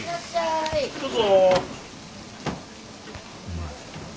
どうぞ。